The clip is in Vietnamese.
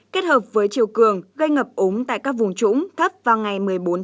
kết hợp với chiều cường gây ngập ống tại các vùng trũng thấp vào ngày một mươi bốn tháng năm